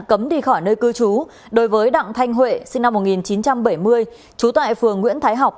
cấm đi khỏi nơi cư trú đối với đặng thanh huệ sinh năm một nghìn chín trăm bảy mươi trú tại phường nguyễn thái học